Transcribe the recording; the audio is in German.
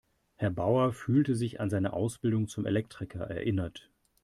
Herr Bauer fühlte sich an seine Ausbildung zum Elektriker erinnert.